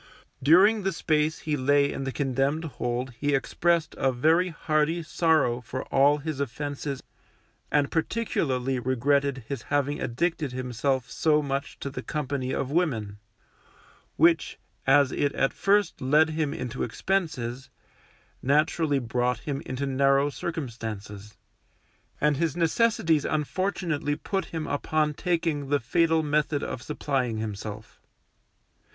During the space he lay in the condemned hold he expressed a very hearty sorrow for all his offences and particularly regretted his having addicted himself so much to the company of women, which, as it at first led him into expenses, naturally brought him into narrow circumstances; and his necessities unfortunately put him upon taking the fatal method of supplying himself.